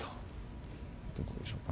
どうでしょうか